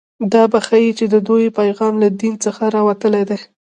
دا به ښيي چې د دوی پیغام له دین څخه راوتلی دی